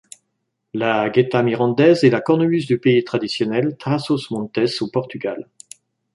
La gaîta mirandaise est la cornemuse du pays traditionnel Trás-os-Montes au Portugal.